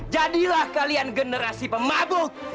jadilah kalian generasi pemabuk